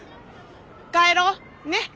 帰ろうねっ。